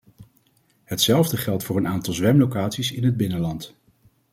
Hetzelfde geldt voor een aantal zwemlocaties in het binnenland.